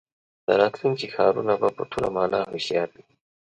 د راتلونکي ښارونه به په ټوله مانا هوښیار وي.